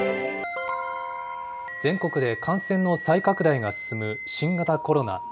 全国で感染の再拡大が進む新型コロナ。